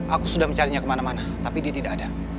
aku sudah mencarinya kemana mana tapi dia tidak ada